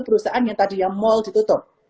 perusahaan yang tadi yang mall ditutup